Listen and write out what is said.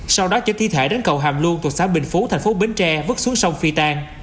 sau đó cho thi thể đánh cầu hàm luôn tù xã bình phú thành phố bến tre vứt xuống sông phi tan